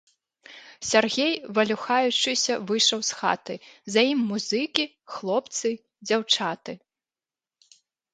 Сяргей, валюхаючыся, выйшаў з хаты, за ім музыкі, хлопцы, дзяўчаты.